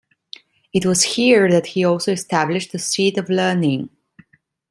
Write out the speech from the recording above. It was here that he also established a seat of learning.